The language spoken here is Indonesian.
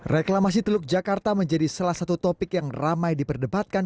reklamasi teluk jakarta menjadi salah satu topik yang ramai diperdebatkan